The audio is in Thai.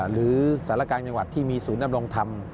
หรือสารกลางจังหวัดที่มีศูนย์ดำรงธรรม